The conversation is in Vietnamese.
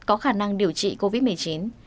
có khả năng điều trị covid một mươi chín